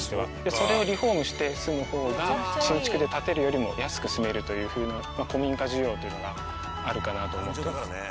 それをリフォームして住む方が新築で建てるよりも安く住めるというふうな古民家需要というのがあるかなと思ってます。